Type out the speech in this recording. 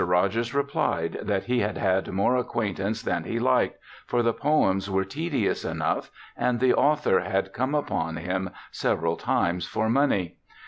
Rogers replied, that he had had more acquaintance than he liked, for the poems were tedious enough, and the author had come upon him several times for money.